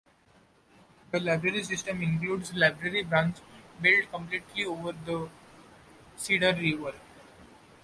This library system includes a library branch built completely over the Cedar River.